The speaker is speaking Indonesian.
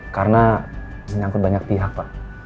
karena menyangkut banyak pihak pak